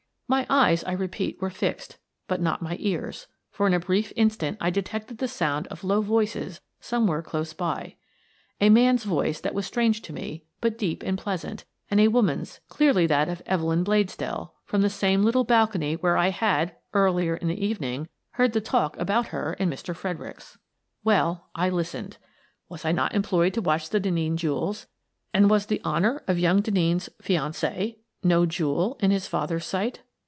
My eyes, I repeat, were fixed, but not my ears, for in a brief instant I detected the sound of low voices somewhere close by — a man's voice that was strange to me, but deep and pleasant, and a woman's, clearly that of Evelyn Bladesdell, from the same little balcony where I had, earlier in the evening, heard the talk about her and Mr. Fred ericks. Well — I listened. (Was I not employed to watch the Denneen jewels, and was the honour of young Denneen's fiancee no jewel in his father's sight?)